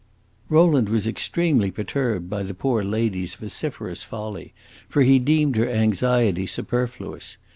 Rowland was extremely perturbed by the poor lady's vociferous folly, for he deemed her anxiety superfluous.